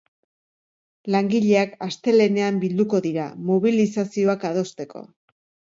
Langileak astelehenean bilduko dira, mobilizazioak adosteko.